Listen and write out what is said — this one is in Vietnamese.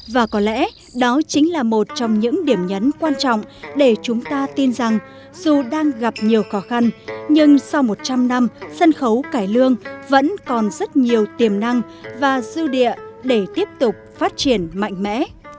và có lẽ đó chính là một trong những điểm nhấn quan trọng để chúng ta tin rằng dù đang gặp nhiều khó khăn nhưng sau một trăm linh năm sân khấu cải lương vẫn còn rất nhiều tiềm năng và dư địa để tiếp tục phát triển mạnh mẽ